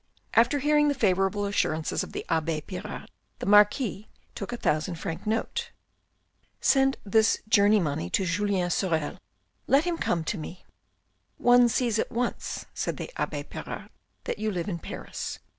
After hearing the favourable assurances of the abbe Pirard, the Marquis took a thousand franc note. " Send this journey money to Julien Sorel. Let him come to me." " One sees at once," said the abbe Pirard, " that you live in Paris.